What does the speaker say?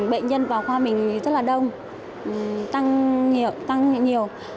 bệnh nhân vào khoa mình rất là đông tăng nhiều